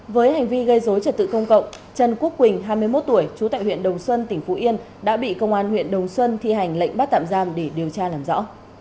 với hành vi gây dối trật tự công cộng trần quốc quỳnh hai mươi một tuổi trú tại huyện đồng xuân tỉnh phú yên đã bị công an huyện đồng xuân thi hành lệnh bắt tạm giam để điều tra làm rõ